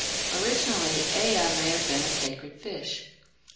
Originally Ea may have been a sacred fish.